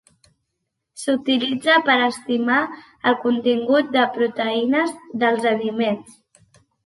S'utilitza per estimar el contingut de proteïnes dels aliments.